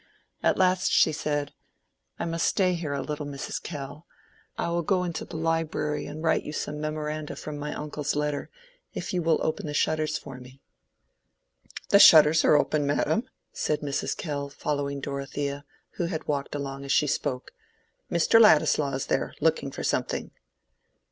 At last she said— "I must stay here a little, Mrs. Kell. I will go into the library and write you some memoranda from my uncle's letter, if you will open the shutters for me." "The shutters are open, madam," said Mrs. Kell, following Dorothea, who had walked along as she spoke. "Mr. Ladislaw is there, looking for something."